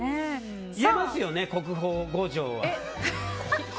言えますよね、国宝五城は。